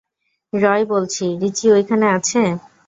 রয় বলছি, রিচি ঐখানে আছে?